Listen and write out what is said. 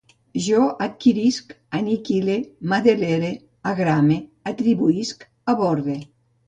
Jo adquirisc, aniquile, m'adelere, agrame, atribuïsc, aborde